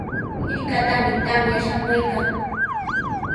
Hirkatami tamya shamuykan.